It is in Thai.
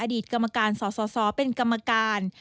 ตกรรมการสสเป็นกรรมการ